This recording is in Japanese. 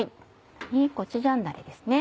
コチュジャンだれですね。